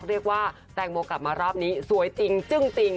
เรียกว่าแตงโมกลับมารอบนี้สวยจริงจึ้งจริง